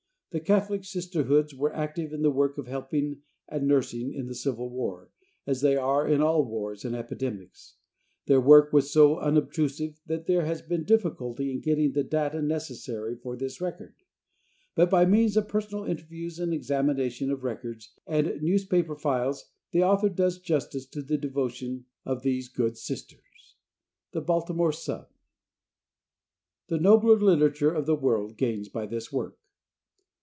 The Catholic Sisterhoods were active in the work of helping and nursing in the Civil war, as they are in all wars and epidemics. Their work was so unobtrusive that there has been difficulty in getting the data necessary for this record, but by means of personal interviews and the examination of records and newspaper files the author does justice to the devotion of these good Sisters. The Baltimore Sun. "The Nobler Literature of the World Gains By This Work."